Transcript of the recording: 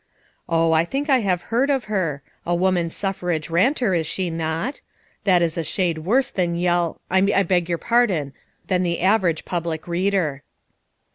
"Oh, I think I have heard of her; a woman suffrage ranter is she not! That is a shade worse than yell — I beg your pardon — than the average public reader."